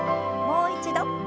もう一度。